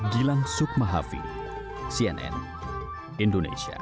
gilang sukmahavi cnn indonesia